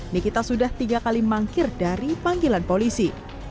nikita sudah tiga kali mangkir dari panggilan polisi